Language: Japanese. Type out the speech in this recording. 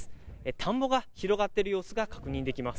田んぼが広がっている様子が確認できます。